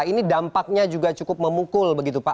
ini dampaknya juga cukup memukul begitu pak